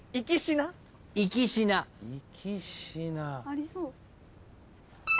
ありそう。